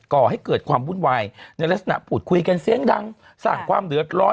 ก่อให้เกิดความวุ่นวายในลักษณะพูดคุยกันเสียงดังสร้างความเดือดร้อน